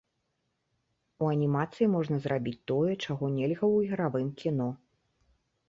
У анімацыі можна зрабіць тое, чаго нельга ў ігравым кіно.